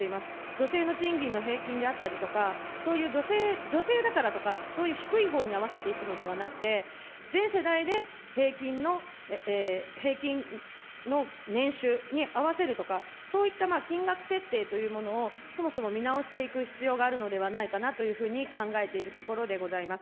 女性の賃金の平均であったりとか、そういう女性だからとか、そういう低いほうに合わせていくのではなくて、全世代で平均の、平均の年収に合わせるとか、そういった金額設定というものを、そもそも見直していく必要があるのではないかなというふうに考えているところでございます。